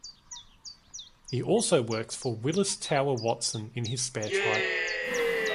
He also works for Willis Tower Watson in his spare time.